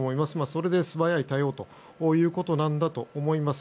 それで素早い対応ということだと思います。